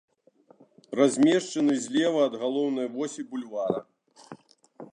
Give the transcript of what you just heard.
Размешчаны злева ад галоўнай восі бульвара.